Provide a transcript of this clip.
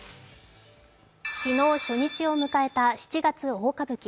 昨日、初日を迎えた「七月大歌舞伎」